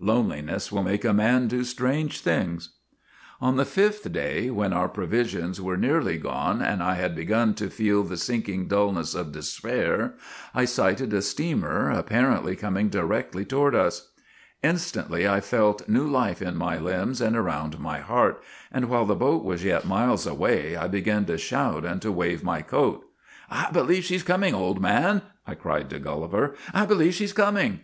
Loneliness will make a man do strange things. ' On the fifth day, when our provisions were nearly gone, and I had begun to feel the sinking dullness of despair, I sighted a steamer apparently coming directly toward us. Instantly I felt new life in my limbs and around my heart, and while the boat was yet miles away I began to shout and to wave my coat. "' I believe she 's coming, old man !' I cried to Gulliver ;' I believe she 's coming